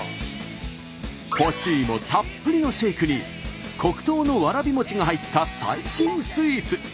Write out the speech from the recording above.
干しいもたっぷりのシェイクに黒糖のわらび餅が入った最新スイーツ。